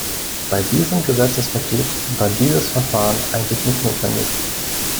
Bei diesem Gesetzespaket war dieses Verfahren eigentlich nicht notwendig.